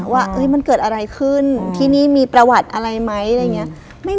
ว่ามันเกิดอะไรขึ้นที่นี่มีประวัติอะไรไหมอะไรอย่างนี้